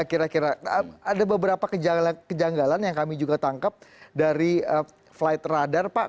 kira kira ada beberapa kejanggalan yang kami juga tangkap dari flight radar pak